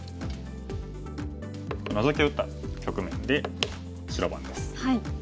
ノゾキを打った局面で白番です。